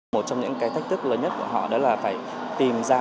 một trong những cái thách thức lớn nhất của họ đó là phải tìm ra